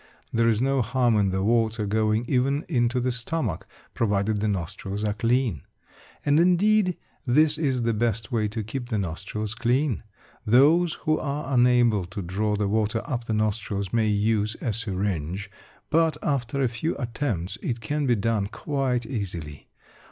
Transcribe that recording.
There is no harm in the water going even into the stomach provided the nostrils are clean. And indeed, this is the best way to keep the nostrils clean. Those who are unable to draw the water up the nostrils may use a syringe, but after a few attempts, it can be done quite easily.